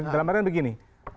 dalam artian begini